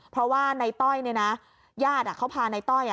เพราะว่านายต้อยเนี้ยน่ะญาติอ่ะเขาพานายต้อยอ่ะ